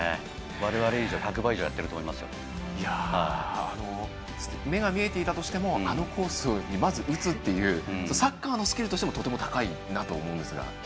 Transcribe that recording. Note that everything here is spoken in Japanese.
我々の１００倍以上目が見えていたとしてもあのコースにまず打つというサッカーのスキルとしてもとても高いなと思うんですが。